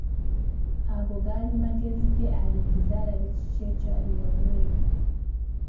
Ago gaali magezi ge alingize alabe kiki ekyali wabweru.